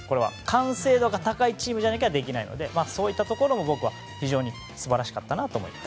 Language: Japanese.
完成度が高いチームじゃないとできないのでそういったところも僕は、非常に素晴らしかったなと思います。